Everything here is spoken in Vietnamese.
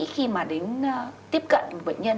khi mà đến tiếp cận bệnh nhân